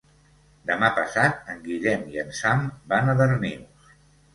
Demà passat en Guillem i en Sam van a Darnius.